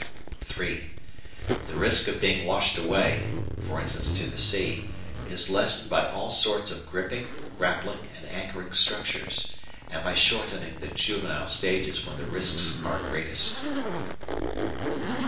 (3) The risk of being washed away, e.g. to the sea, is lessened by all sorts of gripping, grappling, and anchoring structures, and by shortening the juvenile stages when the risks are greatest.